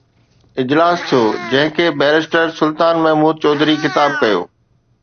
اجلاس ٿيو جنهن کي بئريسٽر سلطان محمود چوڌري خطاب ڪيو